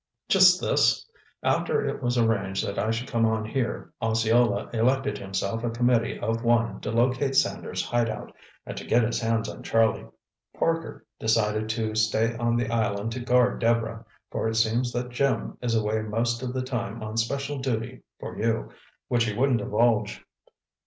"Just this: after it was arranged that I should come on here, Osceola elected himself a committee of one to locate Sanders' hide out, and to get his hands on Charlie. Parker decided to stay on the island to guard Deborah, for it seems that Jim is away most of the time on special duty for you, which he wouldn't divulge."